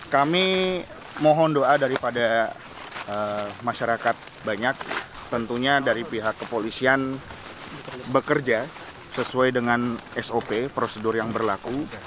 kami mohon doa daripada masyarakat banyak tentunya dari pihak kepolisian bekerja sesuai dengan sop prosedur yang berlaku